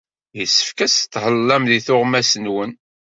Yessefk ad tethellam s tuɣmas-nwen.